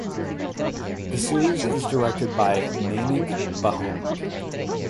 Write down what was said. The series is directed by Mainak Bhaumik.